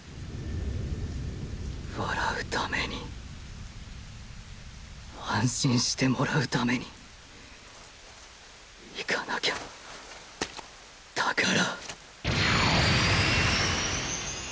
笑うために安心してもらうために行かなきゃだから。